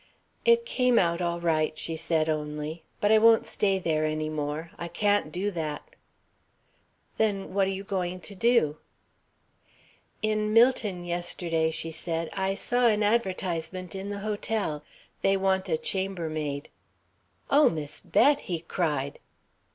"It came out all right," she said only. "But I won't stay there any more. I can't do that." "Then what are you going to do?" "In Millton yesterday," she said, "I saw an advertisement in the hotel they wanted a chambermaid." "Oh, Miss Bett!" he cried.